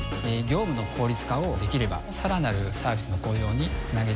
業務の効率化をできればさらなるサービスの向上につなげていただける。